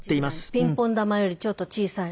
ピンポン球よりちょっと小さい。